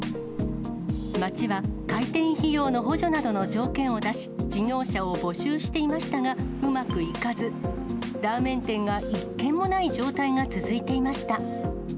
町は開店費用の補助などの条件を出し、事業者を募集していましたが、うまくいかず、ラーメン店が一軒もない状態が続いていました。